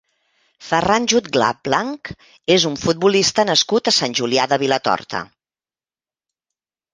Ferran Jutglà Blanch és un futbolista nascut a Sant Julià de Vilatorta.